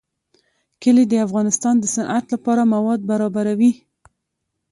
کلي د افغانستان د صنعت لپاره مواد برابروي.